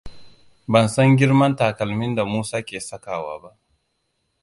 Ban san girman takalimin da Musa ke sakawa ba.